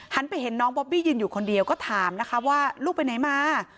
ไปเห็นน้องบอบบี้ยืนอยู่คนเดียวก็ถามนะคะว่าลูกไปไหนมา